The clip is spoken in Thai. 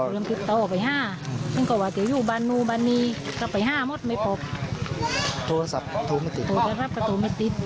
ลงปลารู้หวะมันต้องนอนรับไม่ตู้